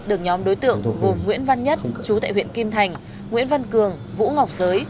được nhóm đối tượng gồm nguyễn văn nhất chú tại huyện kim thành nguyễn văn cường vũ ngọc giới